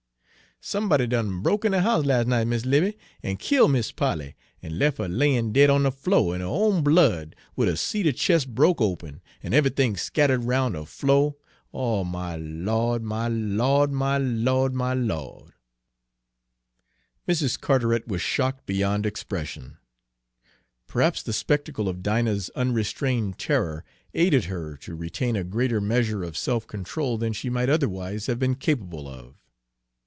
"Somebody done broke in de house las' night, Mis' 'Livy, an' kill' Mis' Polly, an' lef' her layin' dead on de flo', in her own blood, wid her cedar chis' broke' open, an' eve'thing scattered roun' de flo'! O my Lawd, my Lawd, my Lawd, my Lawd!" Mrs. Carteret was shocked beyond expression. Perhaps the spectacle of Dinah's unrestrained terror aided her to retain a greater measure of self control than she might otherwise have been capable of.